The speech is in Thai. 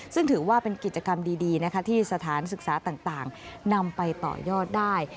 ซึ่งถือว่าเป็นกิจกรรมดีนะคะที่สถานศึกษาต่างนำไปต่อยอดได้